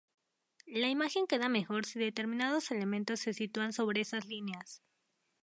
La imagen queda mejor si determinados elementos se sitúan sobre esas líneas.